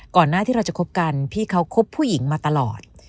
หน้าที่เราจะคบกันพี่เขาคบผู้หญิงมาตลอด